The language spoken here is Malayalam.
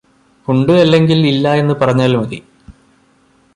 ഉണ്ട് അല്ലെങ്കിൽ ഇല്ല എന്ന് പറഞ്ഞാൽ മതി.